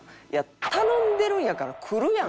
頼んでるんやから来るやんって。